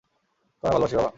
তোমায় ভালোবাসি, বাবা।